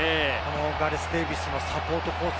ガレス・デーヴィスのサポートコース